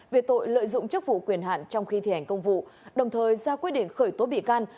về tội lợi dụng chức vụ quyền hạn trong khi thi hành công vụ đồng thời ra quyết định khởi tố bị can